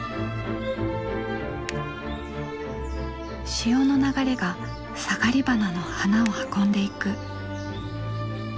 潮の流れがサガリバナの花を運んでいく。